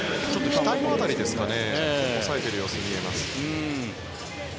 額の辺りを押さえている様子が見えます。